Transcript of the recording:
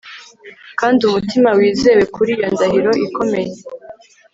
Kandi umutima wizewe kuri iyo ndahiro ikomeye